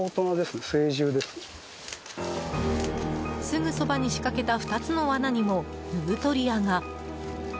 すぐそばに仕掛けた２つの罠にも、ヌートリアが。